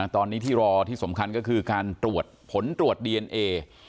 ตอนนี้ที่รอที่สำคัญก็คือการตรวจผลตรวจดีเอนเอ